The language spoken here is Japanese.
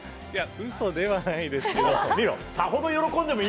ウソではないんですけど。